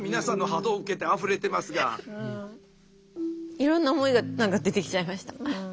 いろんな思いが何か出てきちゃいました。